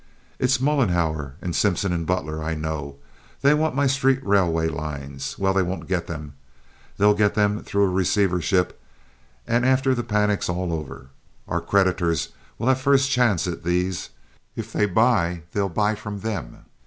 "It's Mollenhauer and Simpson and Butler, I know. They want my street railway lines. Well, they won't get them. They'll get them through a receivership, and after the panic's all over. Our creditors will have first chance at these. If they buy, they'll buy from them.